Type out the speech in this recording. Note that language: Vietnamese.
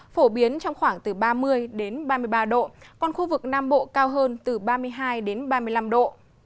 phổ biến trong khoảng từ ba mươi ba mươi ba độ còn khu vực nam bộ cao hơn từ ba mươi hai ba mươi năm độ